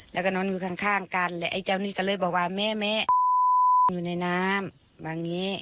แล้วก็นอนอยู่ข้างกันและไอ้เจ้านี่ก็เลยบอกว่าแม่แม่อยู่ในน้ำแบบนี้